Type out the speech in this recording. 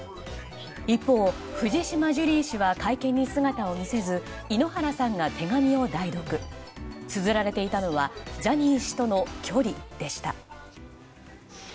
一方、藤島ジュリー氏は会見に姿を見せず井ノ原さんが手紙を代読。つづられていたのはジャニー氏との距離でした。